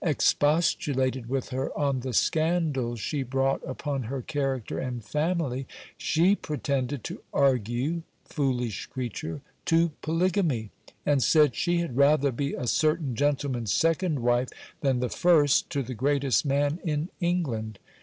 expostulated with her on the scandals she brought upon her character and family, she pretended to argue (foolish creature!) to polygamy: and said, she had rather be a certain gentleman's second wife, than the first to the greatest man in England.